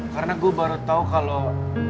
karena gua baru tau kalau